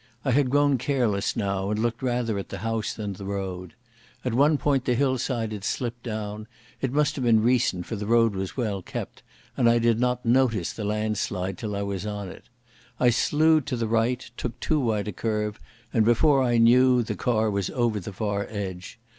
I had grown careless now, and looked rather at the house than the road. At one point the hillside had slipped down—it must have been recent, for the road was well kept—and I did not notice the landslide till I was on it. I slewed to the right, took too wide a curve, and before I knew the car was over the far edge.